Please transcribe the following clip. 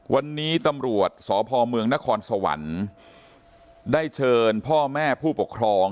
วันนี้ตำรวจสพเมืองนครสวรรค์ได้เชิญพ่อแม่ผู้ปกครอง